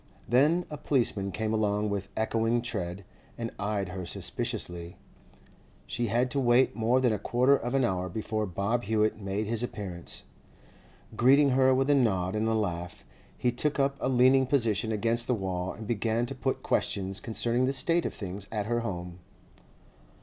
Then a policeman came along with echoing tread, and eyed her suspiciously. She had to wait more than a quarter of an hour before Bob Hewett made his appearance. Greeting her with a nod and a laugh, he took up a leaning position against the wall, and began to put questions concerning the state of things at her home.